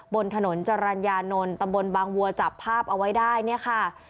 บนถนนจรรยานนท์ตำบลบางวัวจับภาพเอาไว้ได้เนี่ยค่ะ